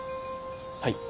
はい。